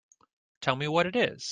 Tell me what it is.